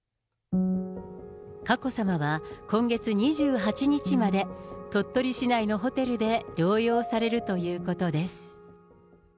佳子さまは、今月２８日まで鳥取市内のホテルで療養されるということです。